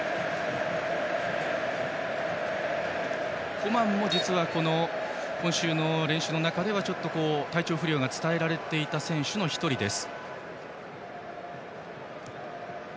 コマンも実は今週の練習の中では体調不良が伝えられていた選手の１人です。